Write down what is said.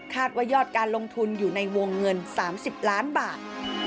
ว่ายอดการลงทุนอยู่ในวงเงิน๓๐ล้านบาท